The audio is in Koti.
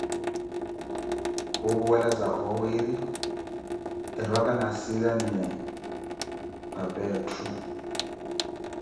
Khupuwelaza oowiiri eriwaka naasilesiye papa etthu.